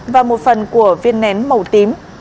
và một phần của viên nén màu tím